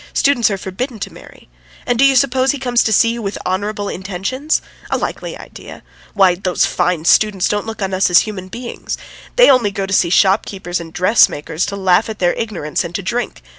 Students are forbidden to marry. And do you suppose he comes to see you with honourable intentions? A likely idea! Why, these fine students don't look on us as human beings ... they only go to see shopkeepers and dressmakers to laugh at their ignorance and to drink.